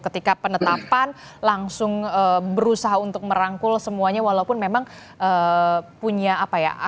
ketika penetapan langsung berusaha untuk merangkul semuanya walaupun memang punya apa ya